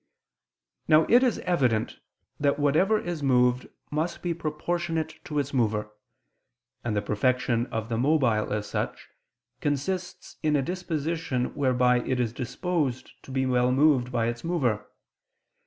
Now it is evident that whatever is moved must be proportionate to its mover: and the perfection of the mobile as such, consists in a disposition whereby it is disposed to be well moved by its mover.